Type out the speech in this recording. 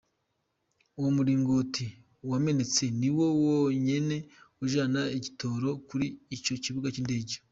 Uwo muringoti wamenetse ni wo wonyene ujana igitoro kuri ico kibuga c'indege.